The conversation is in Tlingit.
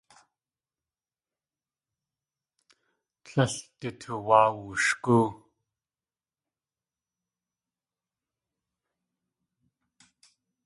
Tlél du tuwáa wushgóo.